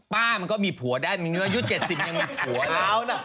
ป้ามันก็มีผัวด้านมียุค๗๐ยังมีผัวเลย